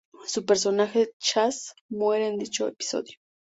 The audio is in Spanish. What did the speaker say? Su personaje, Zach, muere en dicho episodio.